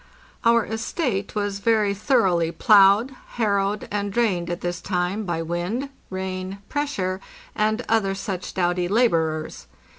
Our " estate'' was very thoroughly ploughed, harrowed, and drained at this time by wind, rain, pressure, and other such doughty laborers.